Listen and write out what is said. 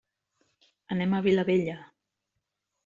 Anem a Vilabella.